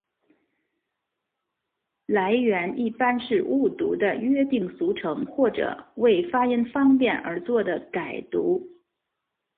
来源一般是误读的约定俗成或者为发音方便而作的改读。